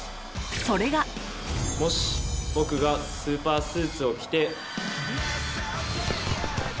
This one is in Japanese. それがもし僕がスーパースーツを着て。